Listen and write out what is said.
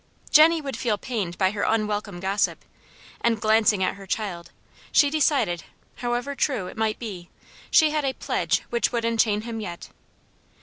Jenny would feel pained by her unwelcome gossip, and, glancing at her child, she decided, however true it might be, she had a pledge which would enchain him yet.